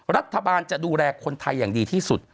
รัฐบาลจะดูแลคนไทยอย่างดีที่สุด